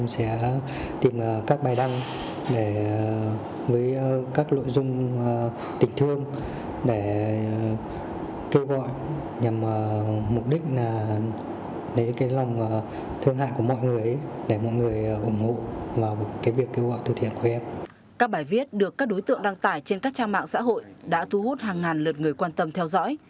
các bài viết được các đối tượng đăng tải trên các trang mạng xã hội đã thu hút hàng ngàn lượt người quan tâm theo dõi